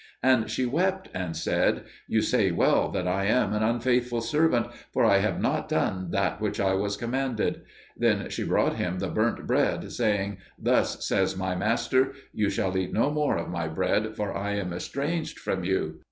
And she wept and said, "You say well that I am an unfaithful servant, for I have not done that which I was commanded." Then she brought him the burnt bread, saying, "Thus says my master, 'You shall eat no more of my bread, for I am estranged from you.